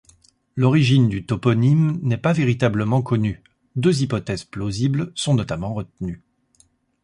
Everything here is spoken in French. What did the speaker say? L'origine du toponyme n'est pas véritablement connue, deux hypothèses plausibles sont notamment retenues.